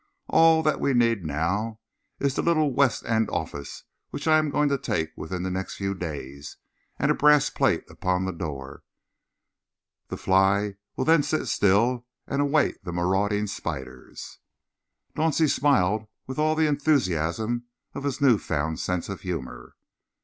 All that we need now is the little West End office which I am going to take within the next few days, and a brass plate upon the door. The fly will then sit still and await the marauding spiders." Dauncey smiled with all the enthusiasm of his new found sense of humour.